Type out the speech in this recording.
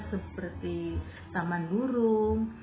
seperti taman gurung